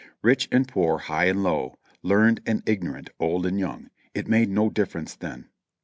Rich and poor, high and low, learned and ignorant, old and young, it made no difference then.